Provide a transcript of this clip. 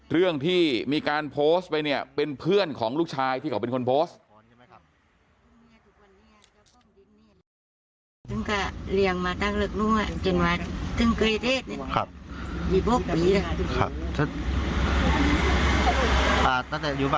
เรื่องที่มีการโพสต์ไปเนี่ยเป็นเพื่อนของลูกชายที่เขาเป็นคนโพสต์